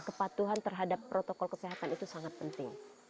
kepatuhan terhadap protokol kesehatan itu sangat penting